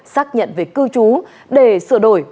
xác nhận về cư trú để sửa đổi